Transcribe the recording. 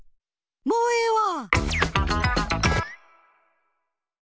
もうええわ！